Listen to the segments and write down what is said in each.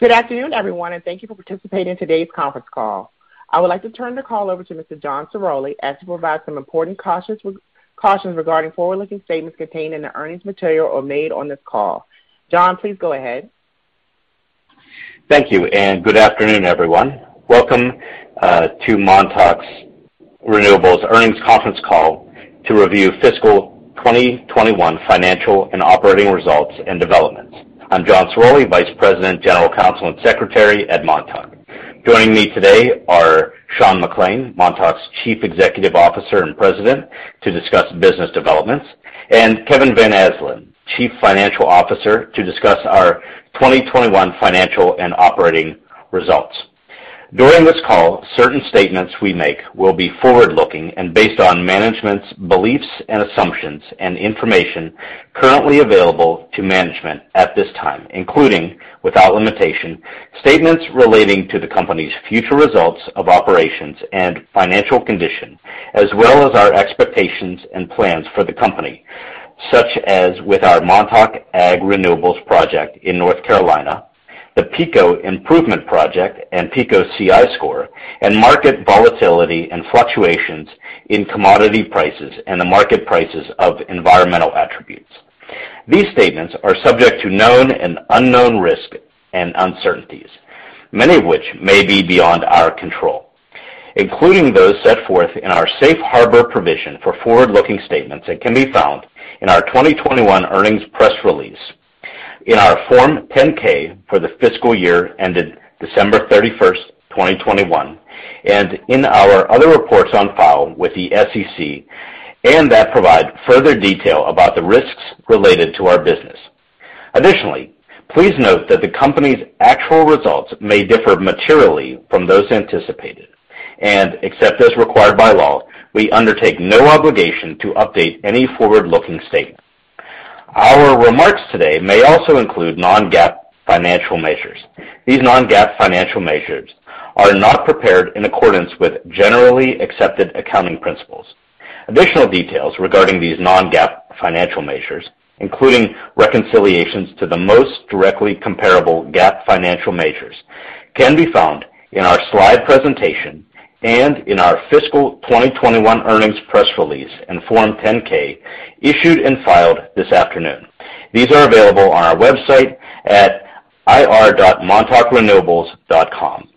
Good afternoon, everyone, and thank you for participating in today's conference call. I would like to turn the call over to Mr. John Ciroli as he provides some important cautions regarding forward-looking statements contained in the earnings material or made on this call. John, please go ahead. Thank you, and good afternoon, everyone. Welcome to Montauk Renewables earnings conference call to review fiscal 2021 financial and operating results and developments. I'm John Ciroli, Vice President, General Counsel, and Secretary at Montauk. Joining me today are Sean McClain, Montauk's Chief Executive Officer and President, to discuss business developments, and Kevin Van Asdalan, Chief Financial Officer, to discuss our 2021 financial and operating results. During this call, certain statements we make will be forward-looking and based on management's beliefs and assumptions and information currently available to management at this time, including, without limitation, statements relating to the company's future results of operations and financial condition, as well as our expectations and plans for the company, such as with our Montauk Ag Renewables project in North Carolina, the Pico Improvement Project and Pico CI score, and market volatility and fluctuations in commodity prices and the market prices of environmental attributes. These statements are subject to known and unknown risks and uncertainties, many of which may be beyond our control, including those set forth in our safe harbor provision for forward-looking statements that can be found in our 2021 earnings press release, in our Form 10-K for the fiscal year ended December 31, 2021, and in our other reports on file with the SEC, and that provide further detail about the risks related to our business. Additionally, please note that the company's actual results may differ materially from those anticipated, and except as required by law, we undertake no obligation to update any forward-looking statements. Our remarks today may also include non-GAAP financial measures. These non-GAAP financial measures are not prepared in accordance with generally accepted accounting principles. Additional details regarding these non-GAAP financial measures, including reconciliations to the most directly comparable GAAP financial measures, can be found in our slide presentation and in our fiscal 2021 earnings press release and Form 10-K issued and filed this afternoon. These are available on our website at ir.montaukrenewables.com.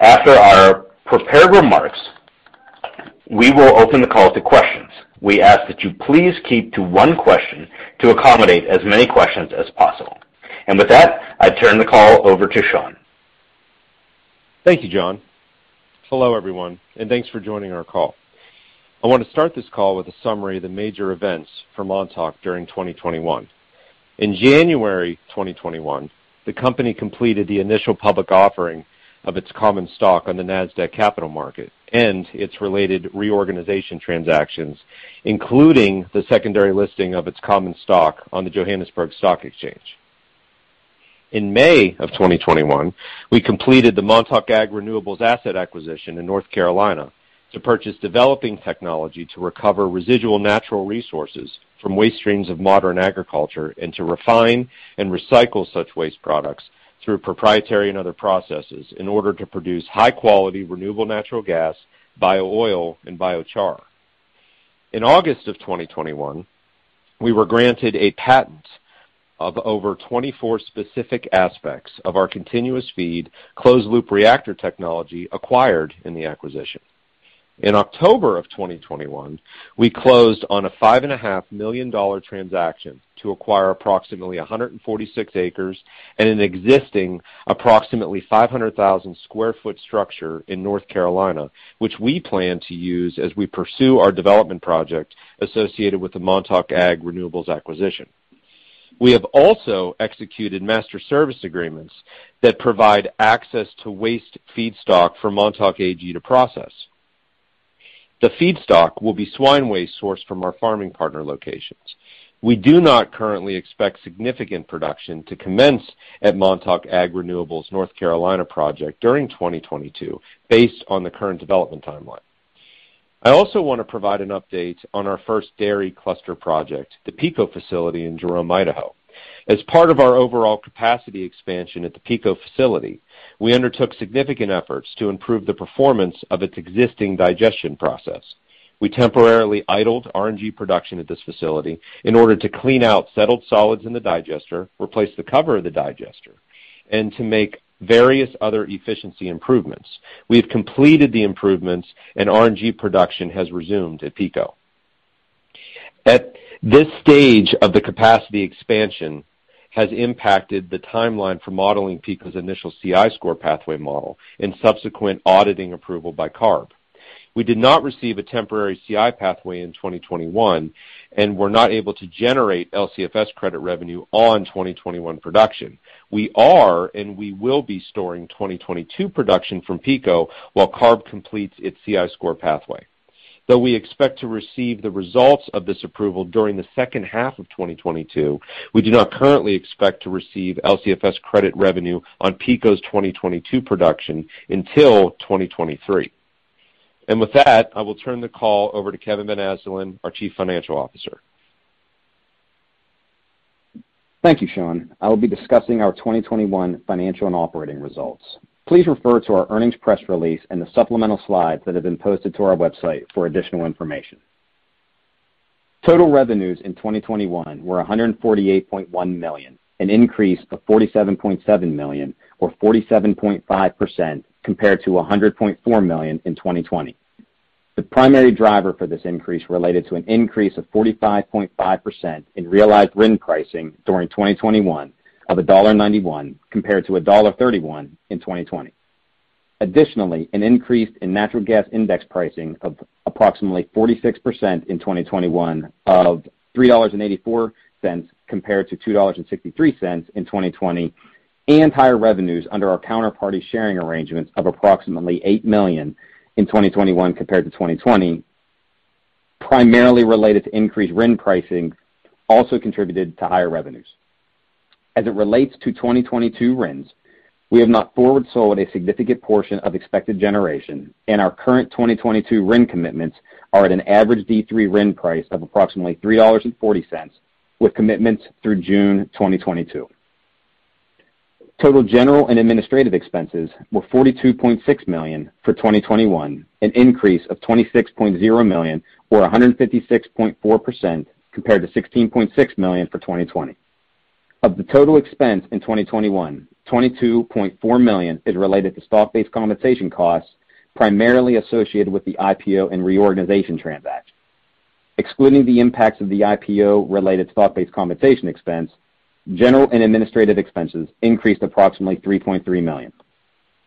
After our prepared remarks, we will open the call to questions. We ask that you please keep to one question to accommodate as many questions as possible. With that, I turn the call over to Sean. Thank you, John. Hello, everyone, and thanks for joining our call. I want to start this call with a summary of the major events for Montauk during 2021. In January 2021, the company completed the initial public offering of its common stock on the Nasdaq Capital Market and its related reorganization transactions, including the secondary listing of its common stock on the Johannesburg Stock Exchange. In May 2021, we completed the Montauk Ag Renewables asset acquisition in North Carolina to purchase developing technology to recover residual natural resources from waste streams of modern agriculture and to refine and recycle such waste products through proprietary and other processes in order to produce high-quality Renewable Natural Gas, Bio-oil, and Biochar. In August 2021, we were granted a patent of over 24 specific aspects of our continuous feed, closed loop reactor technology acquired in the acquisition. In October 2021, we closed on a $5.5 million transaction to acquire approximately 146 acres and an existing approximately 500,000 sq ft structure in North Carolina, which we plan to use as we pursue our development project associated with the Montauk Ag Renewables acquisition. We have also executed master service agreements that provide access to waste feedstock for Montauk Ag Renewables to process. The feedstock will be swine waste sourced from our farming partner locations. We do not currently expect significant production to commence at Montauk Ag Renewables' North Carolina project during 2022 based on the current development timeline. I also want to provide an update on our first dairy cluster project, the Pico facility in Jerome, Idaho. As part of our overall capacity expansion at the Pico facility, we undertook significant efforts to improve the performance of its existing digestion process. We temporarily idled RNG production at this facility in order to clean out settled solids in the digester, replace the cover of the digester, and to make various other efficiency improvements. We have completed the improvements, and RNG production has resumed at Pico. At this stage of the capacity expansion has impacted the timeline for modeling Pico's initial CI score pathway model and subsequent auditing approval by CARB. We did not receive a temporary CI pathway in 2021, and we're not able to generate LCFS credit revenue on 2021 production. We are, and we will be storing 2022 production from Pico while CARB completes its CI score pathway. Though we expect to receive the results of this approval during the second half of 2022, we do not currently expect to receive LCFS credit revenue on PICO's 2022 production until 2023. With that, I will turn the call over to Kevin Van Asdalan, our Chief Financial Officer. Thank you, Sean. I will be discussing our 2021 financial and operating results. Please refer to our earnings press release and the supplemental slides that have been posted to our website for additional information. Total revenues in 2021 were $148.1 million, an increase of $47.7 million or 47.5% compared to $100.4 million in 2020. The primary driver for this increase related to an increase of 45.5% in realized RIN pricing during 2021 of $1.91 compared to $1.31 in 2020. Additionally, an increase in natural gas index pricing of approximately 46% in 2021 of $3.84 compared to $2.63 in 2020, and higher revenues under our counterparty sharing arrangements of approximately $8 million in 2021 compared to 2020, primarily related to increased RIN pricing, also contributed to higher revenues. As it relates to 2022 RINs, we have not forward sold a significant portion of expected generation, and our current 2022 RIN commitments are at an average D3 RIN price of approximately $3.40, with commitments through June 2022. Total general and administrative expenses were $42.6 million for 2021, an increase of $26.0 million or 156.4% compared to $16.6 million for 2020. Of the total expense in 2021, $22.4 million is related to stock-based compensation costs primarily associated with the IPO and reorganization transaction. Excluding the impacts of the IPO related stock-based compensation expense, general and administrative expenses increased approximately $3.3 million.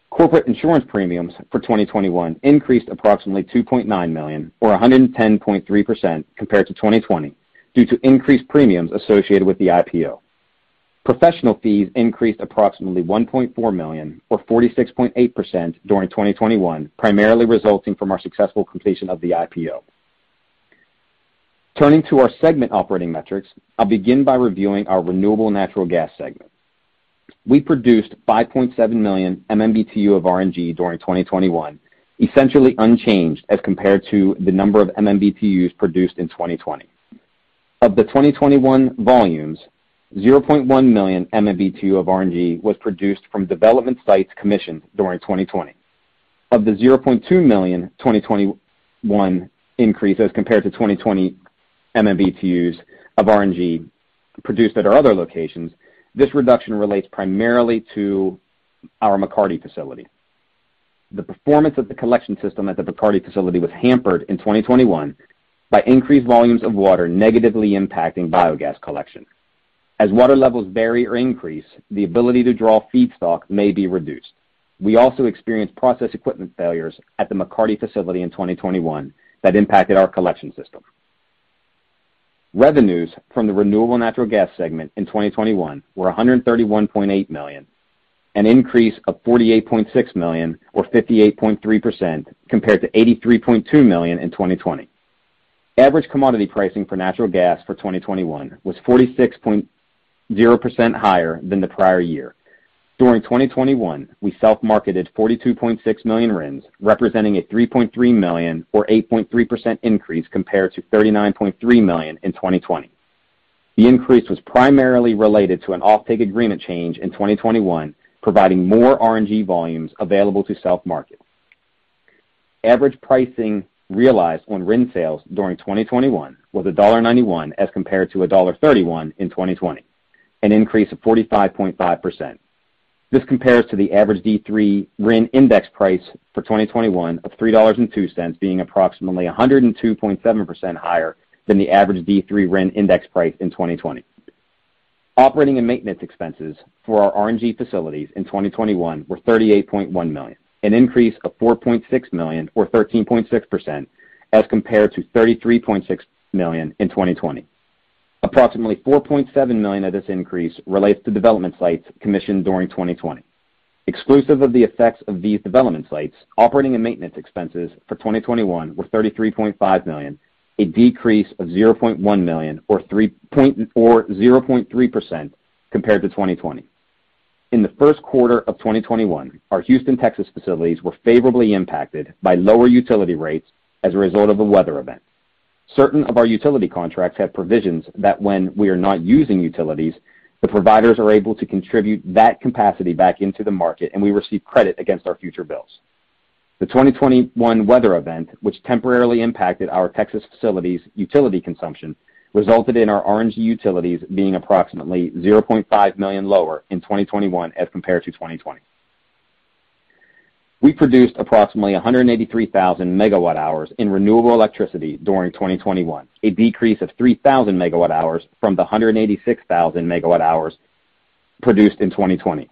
Corporate insurance premiums for 2021 increased approximately $2.9 million or 110.3% compared to 2020 due to increased premiums associated with the IPO. Professional fees increased approximately $1.4 million or 46.8% during 2021, primarily resulting from our successful completion of the IPO. Turning to our segment operating metrics, I'll begin by reviewing our Renewable Natural Gas segment. We produced 5.7 million MMBtu of RNG during 2021, essentially unchanged as compared to the number of MMBtu produced in 2020. Of the 2021 volumes, 0.1 million MMBtu of RNG was produced from development sites commissioned during 2020. Of the 0.2 million 2021 increase as compared to 2020 MMBtu of RNG produced at our other locations, this reduction relates primarily to our McCarty facility. The performance of the collection system at the McCarty facility was hampered in 2021 by increased volumes of water negatively impacting biogas collection. As water levels vary or increase, the ability to draw feedstock may be reduced. We also experienced process equipment failures at the McCarty facility in 2021 that impacted our collection system. Revenues from the Renewable Natural Gas segment in 2021 were $131.8 million, an increase of $48.6 million or 58.3% compared to $83.2 million in 2020. Average commodity pricing for natural gas for 2021 was 46.0% higher than the prior year. During 2021, we self-marketed 42.6 million RINs, representing a 3.3 million or 8.3% increase compared to 39.3 million in 2020. The increase was primarily related to an offtake agreement change in 2021, providing more RNG volumes available to self-market. Average pricing realized on RIN sales during 2021 was $1.91 as compared to $1.31 in 2020, an increase of 45.5%. This compares to the average D3 RIN index price for 2021 of $3.02 being approximately 102.7% higher than the average D3 RIN index price in 2020. Operating and maintenance expenses for our RNG facilities in 2021 were $38.1 million, an increase of $4.6 million or 13.6% as compared to $33.6 million in 2020. Approximately $4.7 million of this increase relates to development sites commissioned during 2020. Exclusive of the effects of these development sites, operating and maintenance expenses for 2021 were $33.5 million, a decrease of $0.1 million or 0.3% compared to 2020. In the first quarter of 2021, our Houston, Texas, facilities were favorably impacted by lower utility rates as a result of a weather event. Certain of our utility contracts have provisions that when we are not using utilities, the providers are able to contribute that capacity back into the market, and we receive credit against our future bills. The 2021 weather event, which temporarily impacted our Texas facilities' utility consumption, resulted in our RNG utilities being approximately $0.5 million lower in 2021 as compared to 2020. We produced approximately 183,000 MWh in renewable electricity during 2021, a decrease of 3,000 MWh from the 186,000 MWh produced in 2020.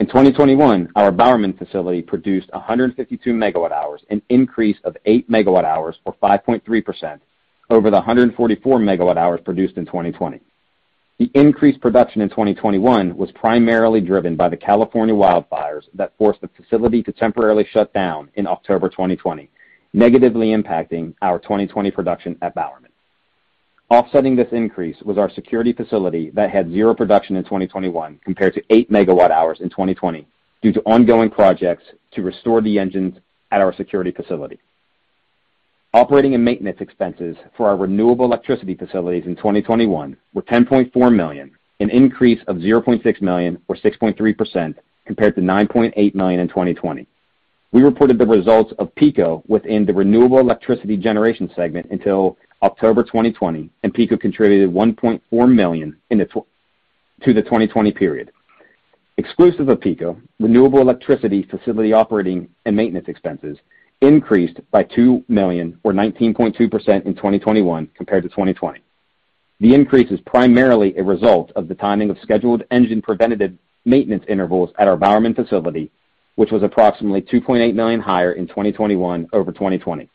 In 2021, our Bowerman facility produced 152 MWh, an increase of 8 MWh or 5.3% over the 144 MWh produced in 2020. The increased production in 2021 was primarily driven by the California wildfires that forced the facility to temporarily shut down in October 2020, negatively impacting our 2020 production at Bowerman. Offsetting this increase was our Security facility that had zero production in 2021 compared to 8 MWh in 2020 due to ongoing projects to restore the engines at our Security facility. Operating and maintenance expenses for our renewable electricity facilities in 2021 were $10.4 million, an increase of $0.6 million or 6.3% compared to $9.8 million in 2020. We reported the results of PICO within the renewable electricity generation segment until October 2020, and PICO contributed $1.4 million to the 2020 period. Exclusive of Pico, renewable electricity facility operating and maintenance expenses increased by $2 million or 19.2% in 2021 compared to 2020. The increase is primarily a result of the timing of scheduled engine preventative maintenance intervals at our Bowerman facility, which was approximately $2.8 million higher in 2021 over 2020.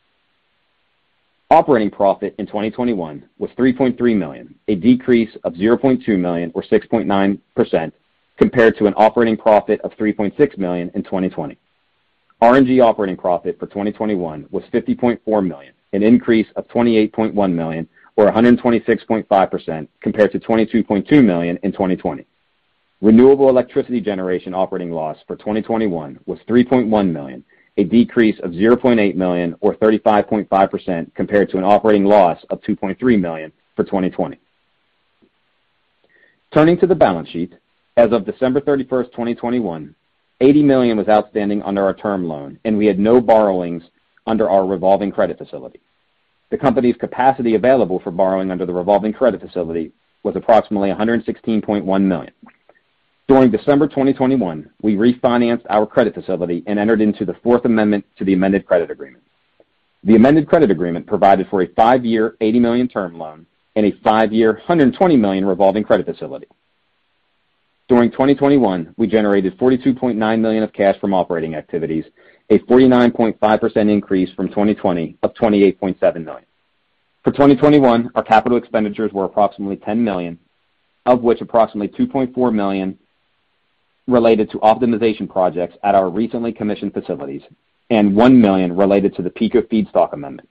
Operating profit in 2021 was $3.3 million, a decrease of $0.2 million or 6.9% compared to an operating profit of $3.6 million in 2020. RNG operating profit for 2021 was $50.4 million, an increase of $28.1 million or 126.5% compared to $22.2 million in 2020. Renewable electricity generation operating loss for 2021 was $3.1 million, a decrease of $0.8 million or 35.5% compared to an operating loss of $2.3 million for 2020. Turning to the balance sheet. As of December 31, 2021, $80 million was outstanding under our term loan, and we had no borrowings under our revolving credit facility. The company's capacity available for borrowing under the revolving credit facility was approximately $116.1 million. During December 2021, we refinanced our credit facility and entered into the fourth amendment to the amended credit agreement. The amended credit agreement provided for a five-year $80 million term loan and a five-year $120 million revolving credit facility. During 2021, we generated $42.9 million of cash from operating activities, a 49.5% increase from 2020 of $28.7 million. For 2021, our capital expenditures were approximately $10 million, of which approximately $2.4 million related to optimization projects at our recently commissioned facilities and $1 million related to the Pico feedstock amendment.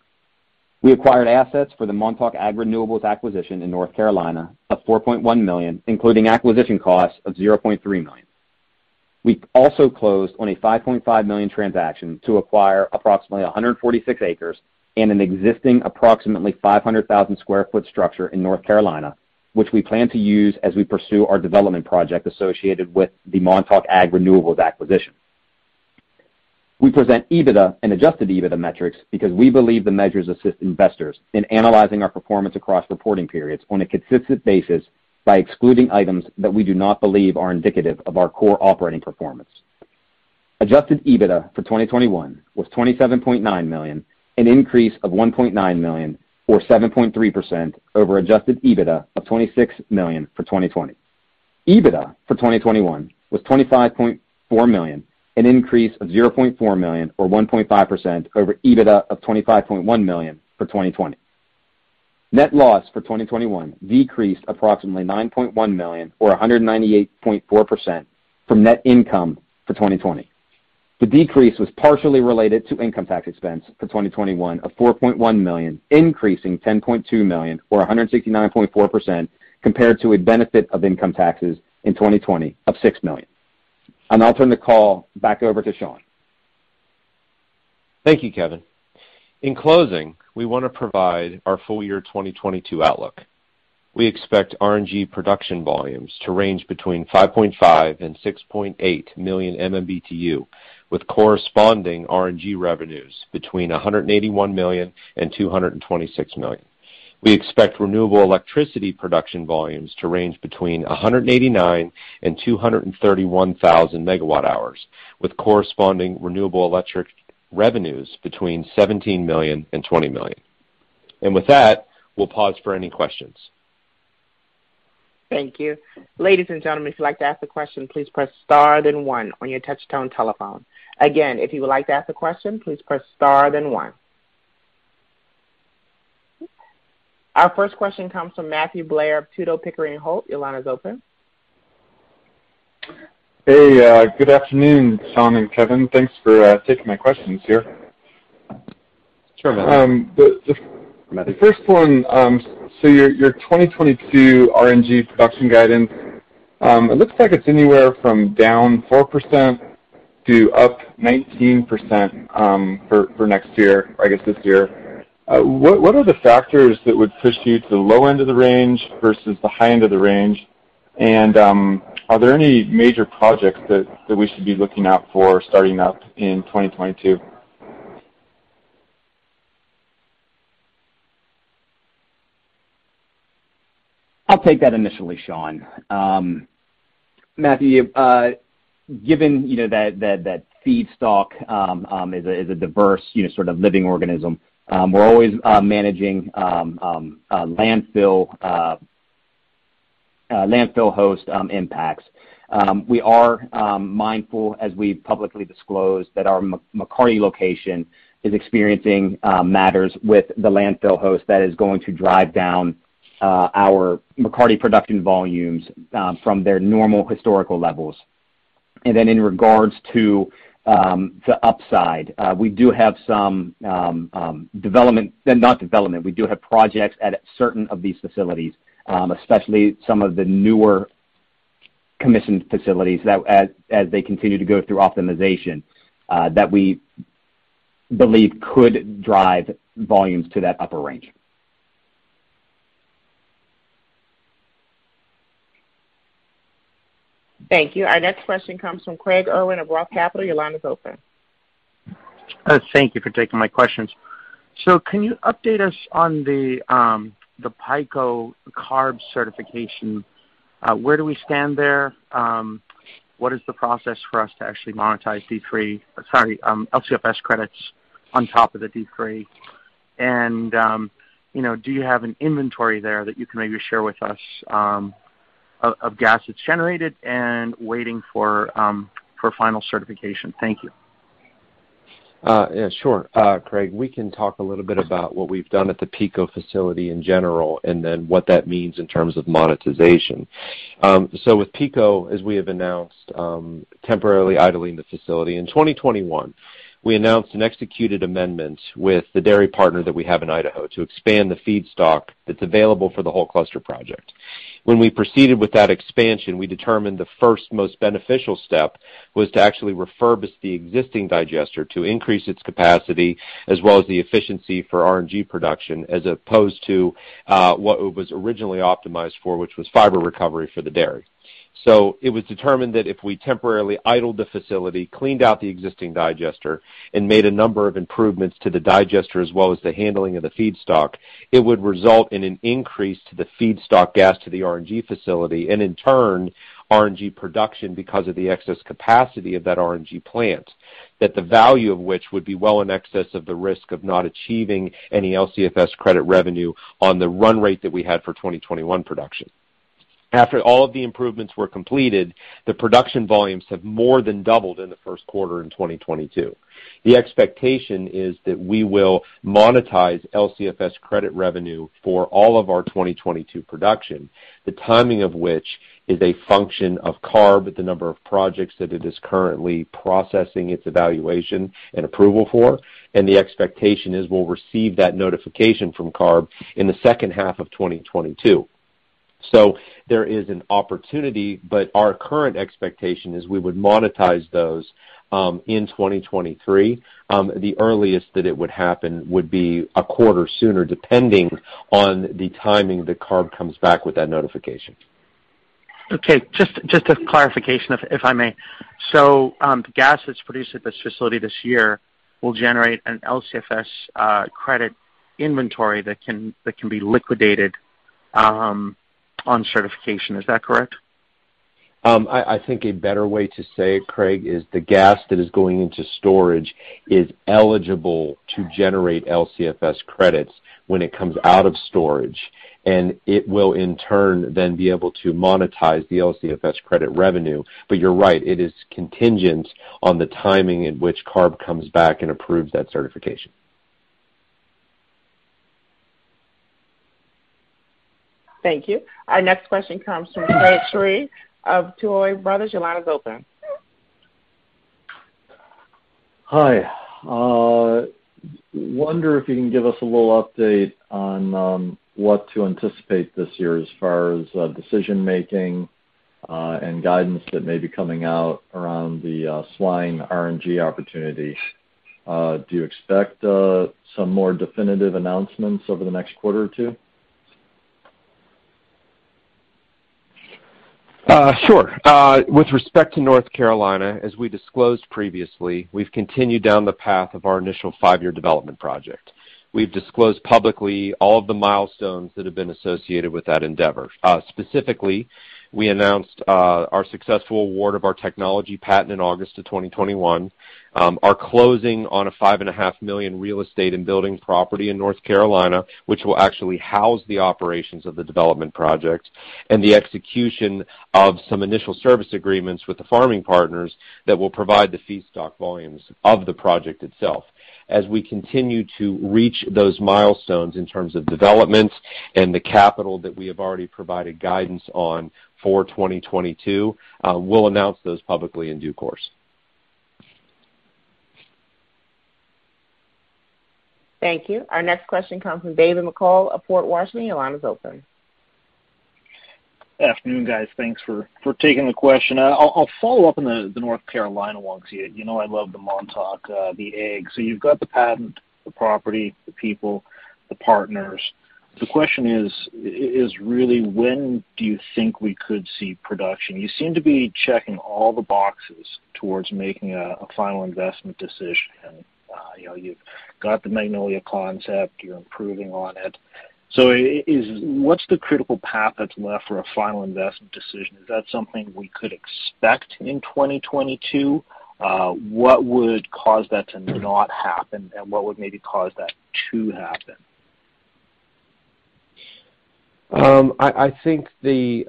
We acquired assets for the Montauk Ag Renewables acquisition in North Carolina of $4.1 million, including acquisition costs of $0.3 million. We also closed on a $5.5 million transaction to acquire approximately 146 acres and an existing approximately 500,000 sq ft structure in North Carolina, which we plan to use as we pursue our development project associated with the Montauk Ag Renewables acquisition. We present EBITDA and adjusted EBITDA metrics because we believe the measures assist investors in analyzing our performance across reporting periods on a consistent basis by excluding items that we do not believe are indicative of our core operating performance. Adjusted EBITDA for 2021 was $27.9 million, an increase of $1.9 million or 7.3% over adjusted EBITDA of $26 million for 2020. EBITDA for 2021 was $25.4 million, an increase of $0.4 million or 1.5% over EBITDA of $25.1 million for 2020. Net loss for 2021 decreased approximately $9.1 million or 198.4% from net income for 2020. The decrease was partially related to income tax expense for 2021 of $4.1 million, increasing $10.2 million or 169.4% compared to a benefit of income taxes in 2020 of $6 million. I'll turn the call back over to Sean. Thank you, Kevin. In closing, we wanna provide our full year 2022 outlook. We expect RNG production volumes to range between 5.5 and 6.8 million MMBtu, with corresponding RNG revenues between $181 million and $226 million. We expect renewable electricity production volumes to range between 189 and 231 thousand MWh, with corresponding renewable electric revenues between $17 million and $20 million. With that, we'll pause for any questions. Thank you. Ladies and gentlemen, if you'd like to ask a question, please press star then one on your touchtone telephone. Again, if you would like to ask a question, please press star then one. Our first question comes from Matthew Blair of Tudor, Pickering, Holt & Co. Your line is open. Hey, good afternoon, Sean and Kevin. Thanks for taking my questions here. Sure, Matthew. The first one, your 2022 RNG production guidance, it looks like it's anywhere from down 4% to up 19%, for next year, I guess this year. What are the factors that would push you to the low end of the range versus the high end of the range? Are there any major projects that we should be looking out for starting up in 2022? I'll take that initially, Sean. Matthew, given you know that feedstock is a diverse you know sort of living organism, we're always managing landfill host impacts. We are mindful, as we publicly disclosed, that our McCarty location is experiencing matters with the landfill host that is going to drive down our McCarty production volumes from their normal historical levels. In regards to the upside, we do have some projects at certain of these facilities, especially some of the newer commissioned facilities that, as they continue to go through optimization, that we believe could drive volumes to that upper range. Thank you. Our next question comes from Craig Irwin of Roth Capital. Your line is open. Thank you for taking my questions. Can you update us on the Pico CARB certification? Where do we stand there? What is the process for us to actually monetize D3 LCFS credits on top of the D3? You know, do you have an inventory there that you can maybe share with us of gas that's generated and waiting for final certification? Thank you. Yeah, sure. Craig, we can talk a little bit about what we've done at the Pico facility in general and then what that means in terms of monetization. With Pico, as we have announced, we are temporarily idling the facility. In 2021, we announced an executed amendment with the dairy partner that we have in Idaho to expand the feedstock that's available for the whole cluster project. When we proceeded with that expansion, we determined the first most beneficial step was to actually refurbish the existing digester to increase its capacity as well as the efficiency for RNG production, as opposed to what it was originally optimized for, which was fiber recovery for the dairy. It was determined that if we temporarily idled the facility, cleaned out the existing digester, and made a number of improvements to the digester as well as the handling of the feedstock, it would result in an increase to the feedstock gas to the RNG facility. In turn, RNG production because of the excess capacity of that RNG plant, that the value of which would be well in excess of the risk of not achieving any LCFS credit revenue on the run rate that we had for 2021 production. After all of the improvements were completed, the production volumes have more than doubled in the first quarter in 2022. The expectation is that we will monetize LCFS credit revenue for all of our 2022 production, the timing of which is a function of CARB, the number of projects that it is currently processing its evaluation and approval for. The expectation is we'll receive that notification from CARB in the second half of 2022. There is an opportunity, but our current expectation is we would monetize those in 2023. The earliest that it would happen would be a quarter sooner, depending on the timing that CARB comes back with that notification. Okay. Just a clarification, if I may. The gas that's produced at this facility this year will generate an LCFS credit inventory that can be liquidated on certification. Is that correct? I think a better way to say it, Craig, is the gas that is going into storage is eligible to generate LCFS credits when it comes out of storage, and it will in turn then be able to monetize the LCFS credit revenue. You're right, it is contingent on the timing in which CARB comes back and approves that certification. Thank you. Our next question comes from Craig Shere of Tuohy Brothers. Your line is open. Hi. I wonder if you can give us a little update on what to anticipate this year as far as decision-making and guidance that may be coming out around the swine RNG opportunity. Do you expect some more definitive announcements over the next quarter or two? Sure. With respect to North Carolina, as we disclosed previously, we've continued down the path of our initial five-year development project. We've disclosed publicly all of the milestones that have been associated with that endeavor. Specifically, we announced our successful award of our technology patent in August of 2021, our closing on a $5.5 million real estate and building property in North Carolina, which will actually house the operations of the development project, and the execution of some initial service agreements with the farming partners that will provide the feedstock volumes of the project itself. As we continue to reach those milestones in terms of development and the capital that we have already provided guidance on for 2022, we'll announce those publicly in due course. Thank you. Our next question comes from David McCall of Port Washington. Your line is open. Afternoon, guys. Thanks for taking the question. I'll follow up on the North Carolina project. You know I love the Montauk assets. So you've got the patent, the property, the people, the partners. The question is really when do you think we could see production? You seem to be checking all the boxes towards making a final investment decision. You know, you've got the Magnolia concept, you're improving on it. So what's the critical path that's left for a final investment decision? Is that something we could expect in 2022? What would cause that to not happen, and what would maybe cause that to happen? I think the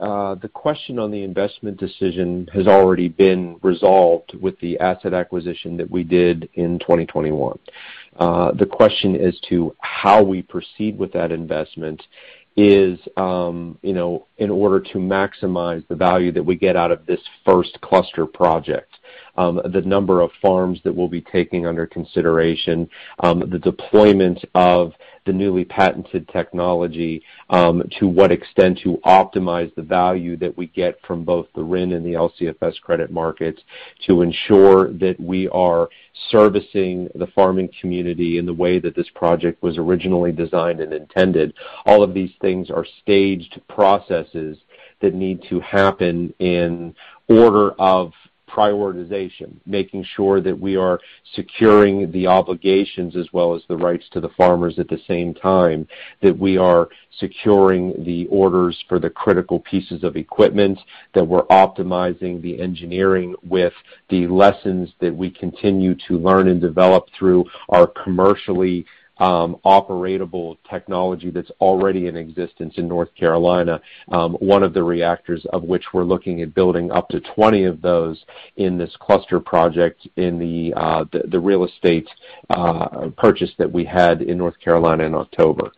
question on the investment decision has already been resolved with the asset acquisition that we did in 2021. The question as to how we proceed with that investment is, you know, in order to maximize the value that we get out of this first cluster project. The number of farms that we'll be taking under consideration, the deployment of the newly patented technology, to what extent to optimize the value that we get from both the RIN and the LCFS credit markets to ensure that we are servicing the farming community in the way that this project was originally designed and intended. All of these things are staged processes that need to happen in order of prioritization, making sure that we are securing the obligations as well as the rights to the farmers at the same time, that we are securing the orders for the critical pieces of equipment, that we're optimizing the engineering with the lessons that we continue to learn and develop through our commercially operable technology that's already in existence in North Carolina. One of the reactors of which we're looking at building up to 20 of those in this cluster project in the real estate purchase that we had in North Carolina in October.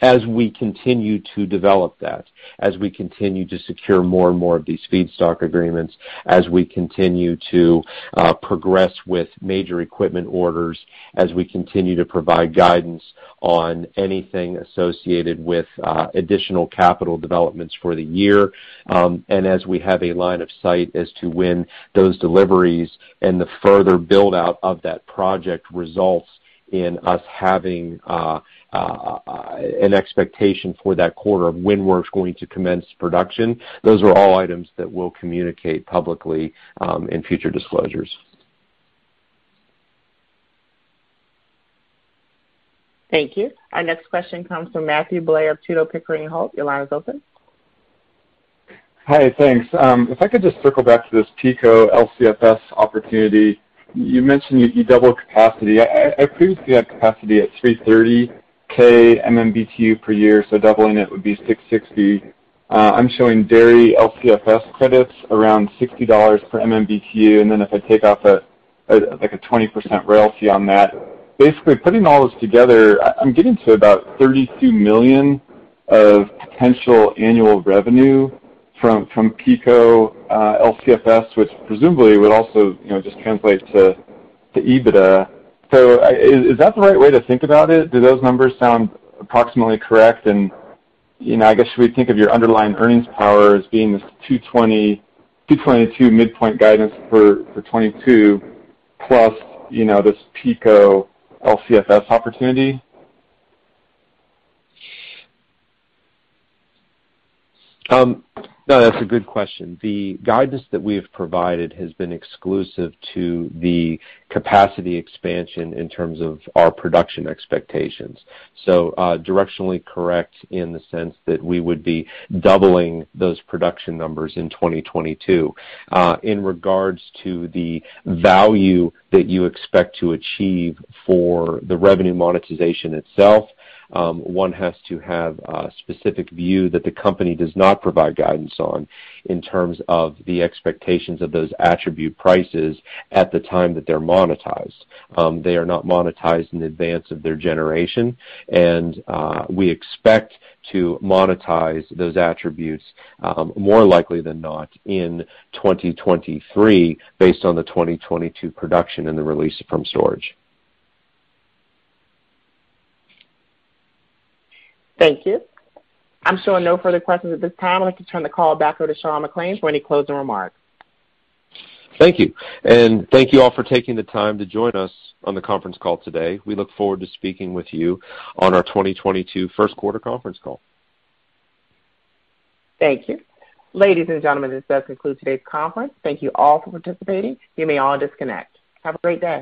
As we continue to develop that, as we continue to secure more and more of these feedstock agreements, as we continue to progress with major equipment orders, as we continue to provide guidance on anything associated with additional capital developments for the year, and as we have a line of sight as to when those deliveries and the further build-out of that project results in us having an expectation for that quarter of when we're going to commence production. Those are all items that we'll communicate publicly in future disclosures. Thank you. Our next question comes from Matthew Blair of Tudor, Pickering, Holt & Co. Your line is open. Hi. Thanks. If I could just circle back to this Pico LCFS opportunity. You mentioned you double capacity. I previously had capacity at 330K MMBtu per year, so doubling it would be 660K. I'm showing dairy LCFS credits around $60 per MMBtu. Then if I take off a, like, a 20% royalty on that, basically putting all this together, I'm getting to about $32 million of potential annual revenue from Pico LCFS, which presumably would also, you know, just translate to EBITDA. So is that the right way to think about it? Do those numbers sound approximately correct? You know, I guess should we think of your underlying earnings power as being this 2022 midpoint guidance for 2022 plus, you know, this Pico LCFS opportunity? No, that's a good question. The guidance that we have provided has been exclusive to the capacity expansion in terms of our production expectations. Directionally correct in the sense that we would be doubling those production numbers in 2022. In regards to the value that you expect to achieve for the revenue monetization itself, one has to have a specific view that the company does not provide guidance on in terms of the expectations of those attribute prices at the time that they're monetized. They are not monetized in advance of their generation, and we expect to monetize those attributes, more likely than not in 2023 based on the 2022 production and the release from storage. Thank you. I'm showing no further questions at this time. I'd like to turn the call back over to Sean McClain for any closing remarks. Thank you. Thank you all for taking the time to join us on the conference call today. We look forward to speaking with you on our 2022 first quarter conference call. Thank you. Ladies and gentlemen, this does conclude today's conference. Thank you all for participating. You may all disconnect. Have a great day.